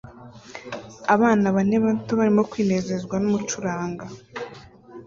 Abana bane bato barimo kwinezezwa numucuranga